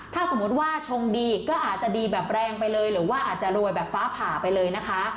ถ้าสมมุติว่าชงดีก็อาจจะดีแบบแรงไปเลยหรือว่าอาจจะรวยแบบฟ้าผ่าไปเลยนะคะ